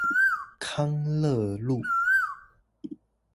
康樂路